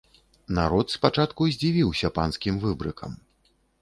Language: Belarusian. Народ спачатку здзівіўся панскім выбрыкам.